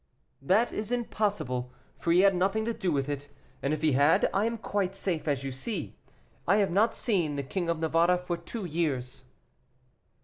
"That is impossible, for he had nothing to do with it; and if he had, I am quite safe, as you see. I have not seen the King of Navarre for two years."